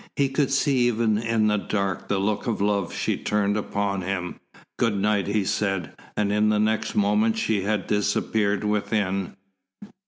He could see even in the dark the look of love she turned upon him. "Good night," he said, and in the next moment she had disappeared within.